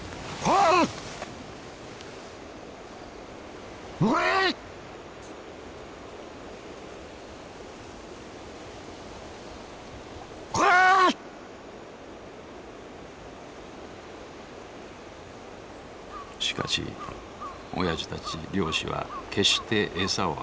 しかしおやじたち漁師は決して餌を与えない。